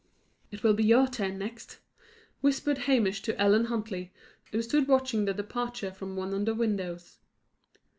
"It will be your turn next," whispered Hamish to Ellen Huntley, who stood watching the departure from one of the windows.